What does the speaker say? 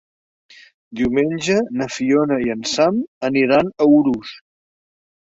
Diumenge na Fiona i en Sam aniran a Urús.